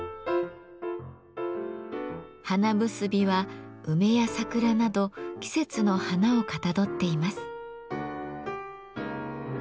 「花結び」は梅や桜など季節の花をかたどっています。